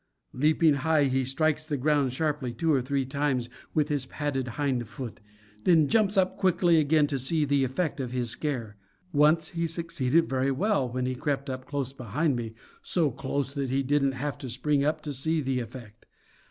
Leaping high he strikes the ground sharply two or three times with his padded hind foot; then jumps up quickly again to see the effect of his scare. Once he succeeded very well, when he crept up close behind me, so close that he didn't have to spring up to see the effect.